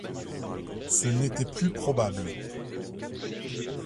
Ce n’était plus probable.